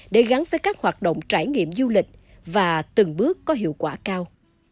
để gắn với các hoạt động trải nghiệm du lịch và từng bước có hiệu quả cao